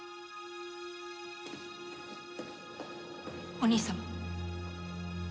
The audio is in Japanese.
お兄様。